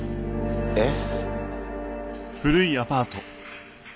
えっ？